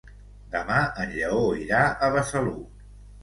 Demà en Lleó irà a Besalú.